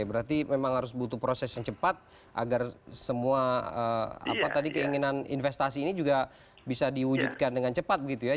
berarti memang harus butuh proses yang cepat agar semua keinginan investasi ini juga bisa diwujudkan dengan cepat begitu ya